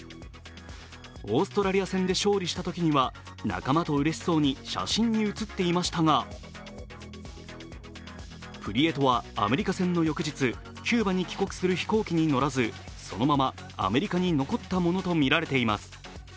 オーストラリア戦で勝利したときには仲間とうれしそうに写真に写っていましたがプリエトは、アメリカ戦の翌日、キューバに帰国する飛行機に乗らずそのままアメリカに残ったものとみられています。